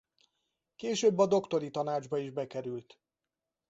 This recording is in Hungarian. Később a Doktori Tanácsba is bekerült.